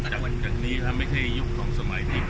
นับจากวันจากนี้ไม่ใช่ยุคของสมัยที่ปฏิวัติครับ